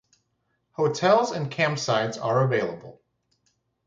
Hotels and campsites are available.